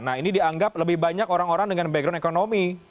nah ini dianggap lebih banyak orang orang dengan background ekonomi